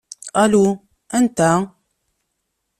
Alu, anta?